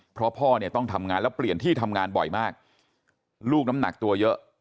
เพราะพ่อเนี่ยต้องทำงานแล้วเปลี่ยนที่ทำงานบ่อยมากลูกน้ำหนักตัวเยอะ